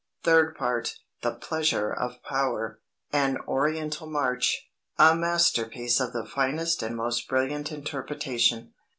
"Third Part: The Pleasure of Power an Oriental march. A masterpiece of the finest and most brilliant interpretation.